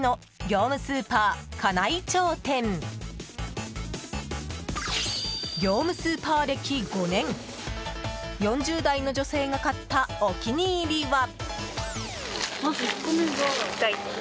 業務スーパー歴５年４０代の女性が買ったお気に入りは。